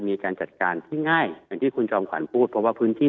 มีการจัดการที่ง่ายอย่างที่คุณจอมขวัญพูดเพราะว่าพื้นที่